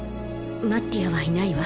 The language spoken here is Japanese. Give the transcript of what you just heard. マッティアはいないわ。